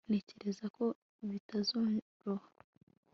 ntekereza ko bitazoroha